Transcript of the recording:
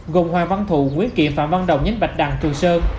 gồm hoàng văn thụ nguyễn kiện phạm văn đồng nhánh bạch đằng trường sơn